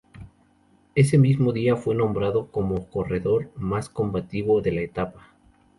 Ese mismo día fue nombrado como corredor mas combativo de la etapa.